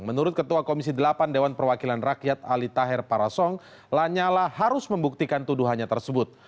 menurut ketua komisi delapan dewan perwakilan rakyat ali taher parasong lanyala harus membuktikan tuduhannya tersebut